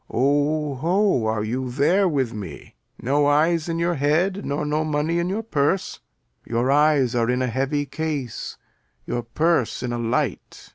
Lear. O, ho, are you there with me? No eyes in your head, nor no money in your purse? Your eyes are in a heavy case, your purse in a light.